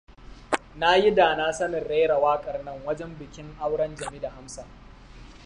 Na yi dana sanin raira wakar nan wajen bikin auren Jami da Amsa.